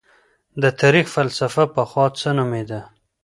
د تاريخ فلسفه پخوا څه نومېده؟